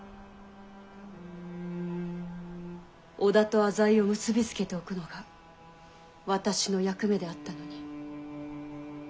織田と浅井を結び付けておくのが私の役目であったのに。